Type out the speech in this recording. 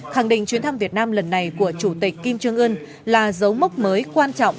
khẳng định chuyến thăm việt nam lần này của chủ tịch kim trương ưn là dấu mốc mới quan trọng